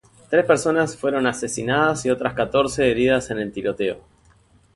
Tres personas fueron asesinadas y otras catorce heridas en el tiroteo.